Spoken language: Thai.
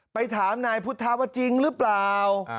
ไปถามนายพุทธะว่าจริงหรือเปล่า